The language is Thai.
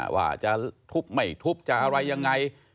ว่าจะทุบไม่ทุบจะอะไรยังไง